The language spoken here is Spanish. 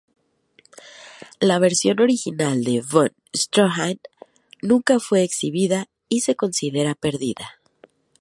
La versión original de Von Stroheim nunca fue exhibida, y se considera perdida.